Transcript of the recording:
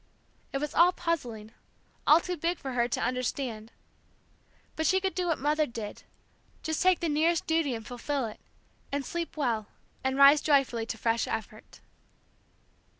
It was all puzzling, all too big for her to understand. But she could do what Mother did, just take the nearest duty and fulfil it, and sleep well, and rise joyfully to fresh effort.